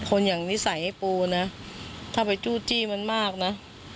คนอย่างนิสัยให้ปูนะถ้าไปจู้จี้มันมากนะ